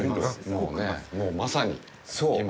もうね、もうまさに今。